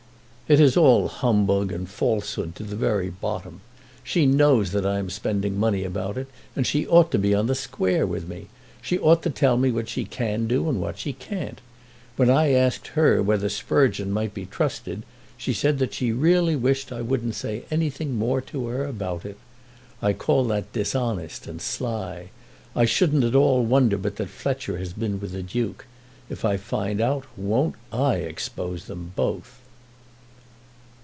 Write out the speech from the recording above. "It is all humbug and falsehood to the very bottom. She knows that I am spending money about it, and she ought to be on the square with me. She ought to tell me what she can do and what she can't. When I asked her whether Sprugeon might be trusted, she said that she really wished that I wouldn't say anything more to her about it. I call that dishonest and sly. I shouldn't at all wonder but that Fletcher has been with the Duke. If I find that out, won't I expose them both!"